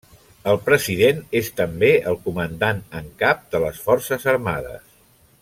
El President és també el Comandant en Cap de les Forces Armades.